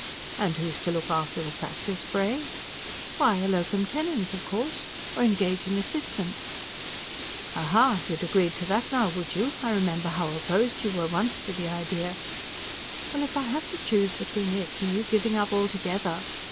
"And who's to look after the practice, pray?" "Why, a LOCUM TENENS, of course. Or engage an assistant." "Aha! you'd agree to that now, would you? I remember how opposed you were once to the idea." "Well, if I have to choose between it and you giving up altogether...